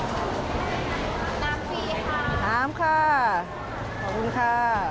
น้ำค่ะขอบคุณค่ะ